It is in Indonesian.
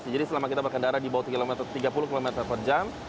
jadi selama kita berkendara di bawah tiga puluh km per jam